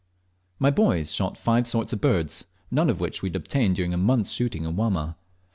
My boys shot five sorts of birds, none of which we had obtained during a month's shooting in Wamma.